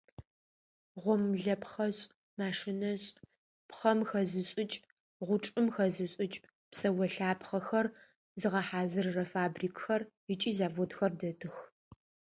Гъомлэпхъэшӏ, машинэшӏ, пхъэм хэзышӏыкӏ, гъучӏым хэзышӏыкӏ, псэолъапхъэхэр зыгъэхьазырырэ фабрикхэр ыкӏи заводхэр дэтых.